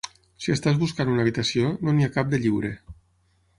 Si estàs buscant una habitació, no n'hi ha cap de lliure.